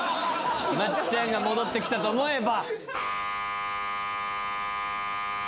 松ちゃんが戻って来たと思えば。